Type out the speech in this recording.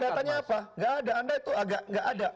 nah ini datanya apa gak ada anda itu agak gak ada